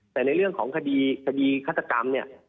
แต่ในเรื่องของคดีคดีฆาตกรรมเนี่ย